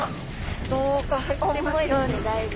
どうか入ってますように。